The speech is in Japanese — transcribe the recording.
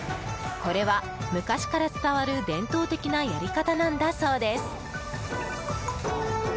これは昔から伝わる伝統的なやり方なんだそうです。